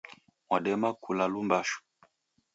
Mwadema kula lumbashu